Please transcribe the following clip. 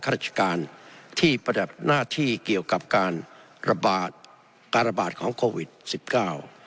ราชการที่ประดับหน้าที่เกี่ยวกับการระบาดการระบาดของโควิดสิบเก้า